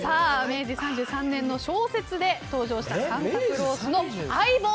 明治３３年の小説で登場したサンタクロースの相棒